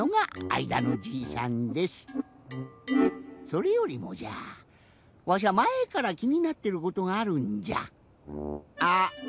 それよりもじゃわしゃまえからきになってることがあるんじゃ。